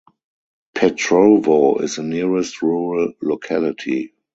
Petrovo is the nearest rural locality.